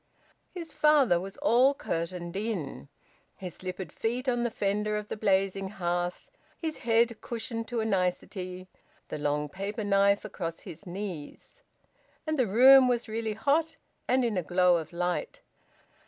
His father was all curtained in; his slippered feet on the fender of the blazing hearth, his head cushioned to a nicety, the long paper knife across his knees. And the room was really hot and in a glow of light.